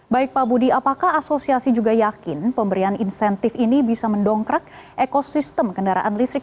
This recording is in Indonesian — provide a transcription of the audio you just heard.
baik pak budi apakah asosiasi juga yakin pemberian insentif ini bisa mendongkrak ekosistem kendaraan listrik